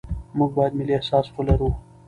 موږ باید ملي احساس ولرو.